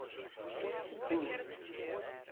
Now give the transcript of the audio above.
Seddu-tt.